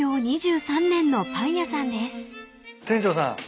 店長さん